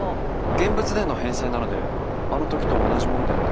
現物での返済なのであの時と同じものでなければ。